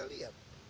kan kita lihat